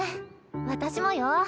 私もよ。